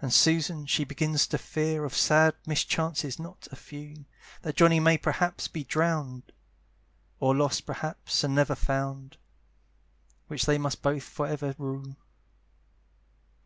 And Susan she begins to fear Of sad mischances not a few, That Johnny may perhaps be drown'd, Or lost perhaps, and never found; Which they must both for ever rue.